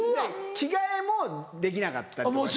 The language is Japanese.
着替えもできなかったりとかして。